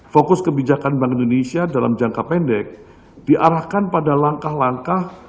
fokus kebijakan bank indonesia dalam jangka pendek diarahkan pada langkah langkah